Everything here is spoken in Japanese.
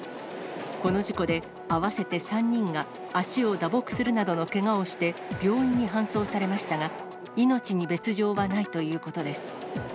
この事故で、合わせて３人が足を打撲するなどのけがをして、病院に搬送されましたが、命に別状はないということです。